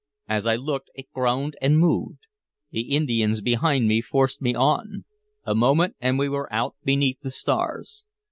As I looked, it groaned and moved. The Indians behind me forced me on; a moment, and we were out beneath the stars.